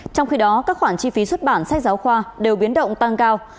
trong khi đó các khoản chi phí xuất bản sách giáo khoa đều biến động tăng cao